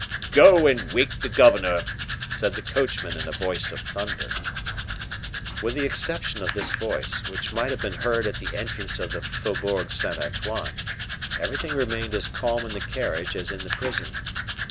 "Go and wake the governor," said the coachman in a voice of thunder. With the exception of this voice, which might have been heard at the entrance of the Faubourg Saint Antoine, everything remained as calm in the carriage as in the prison.